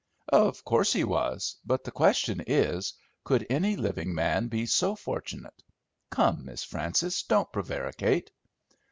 "Of course he was; but the question is: Could any living man be so fortunate? Come, Miss Frances, don't prevaricate!"